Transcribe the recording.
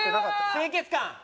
清潔感！